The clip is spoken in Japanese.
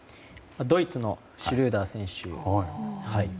ドイツのシュルーダー選手。